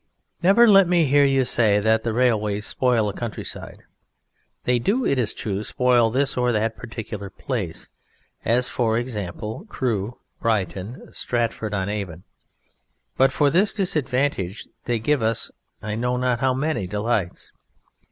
Never let me hear you say that the railways spoil a countryside; they do, it is true, spoil this or that particular place as, for example, Crewe, Brighton, Stratford on Avon but for this disadvantage they give us I know not how many delights.